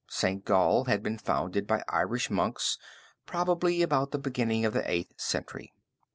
St. Gall had been founded by Irish monks probably about the beginning of the Eighth Century.